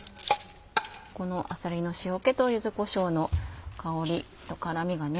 このあさりの塩気と柚子こしょうの香りと辛みがね